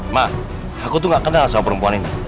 mak aku tuh gak kenal sama perempuan ini